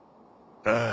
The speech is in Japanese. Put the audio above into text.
ああ。